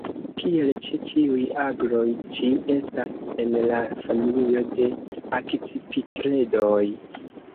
Kiel ĉe ĉiuj agloj, ĝi estas en la familio de Akcipitredoj.